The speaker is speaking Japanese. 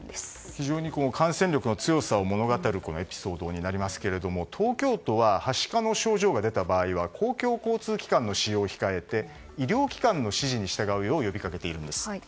非常に感染力の強さを物語るエピソードになりますけども東京都ははしかの症状が出た場合は公共交通機関の使用を控えて医療機関の指示に従うよう呼びかけているんです。